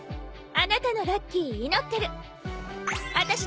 あたしのラッキーも祈ってて。